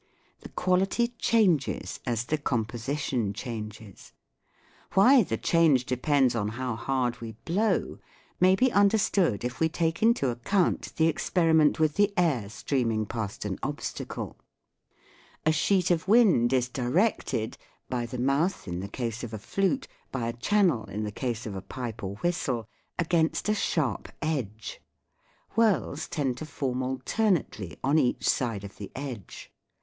The quality changes as the composition changes. Why the change depends on how hard we blow may be understood if we take into account the experiment with the air streaming past an obstacle. A sheet of wind is directed by the mouth in the case of a flute, by a channel in the case of a pipe or whistle against a sharp edge. Whirls tend to form alternately on each side of the edge.